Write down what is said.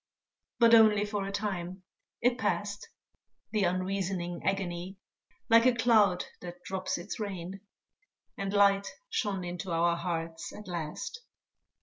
But only for a time; it passed, The unreasoning agony, Like a cloud that drops its rain; And light shone into our hearts at last.